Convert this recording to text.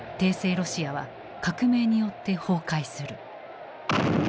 ロシアは革命によって崩壊する。